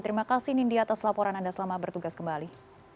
terima kasih nindi atas laporan anda selamat bertugas kembali